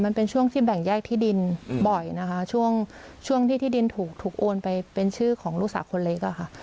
มันเป็นช่วงที่แบ่งแยกที่ดินบ่อยนะคะช่วงช่วงที่ที่ดินถูกโอนไปเป็นชื่อของลูกสาวคนเล็กอะค่ะ